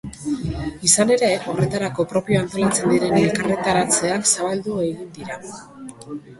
Izan ere, horretarako propio antolatzen diren elkarretaratzeak zabaldu egin dira.